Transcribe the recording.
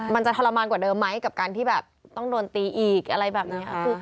มันจะทรมานกว่าเดิมไหมกับการที่แบบต้องโดนตีอีกอะไรแบบนี้ค่ะ